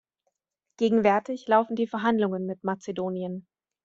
Gegenwärtig laufen die Verhandlungen mit Mazedonien.